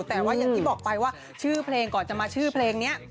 แต่ว่าอย่างที่บอกไปว่าชื่อเพลงก่อนจะมาชื่อเพลงนี้